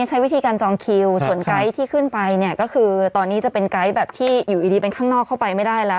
ใช้วิธีการจองคิวส่วนไกด์ที่ขึ้นไปเนี่ยก็คือตอนนี้จะเป็นไกด์แบบที่อยู่ดีเป็นข้างนอกเข้าไปไม่ได้แล้ว